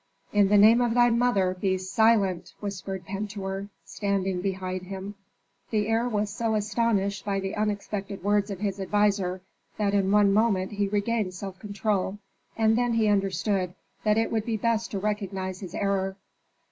"In the name of thy mother, be silent," whispered Pentuer, standing behind him. The heir was so astonished by the unexpected words of his adviser, that in one moment he regained self control, and then he understood that it would be best to recognize his error.